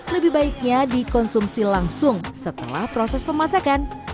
lebih baiknya dikonsumsi langsung setelah proses pemasakan